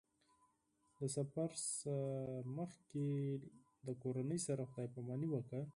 د سفر نه مخکې له کورنۍ سره خدای پاماني وکړه.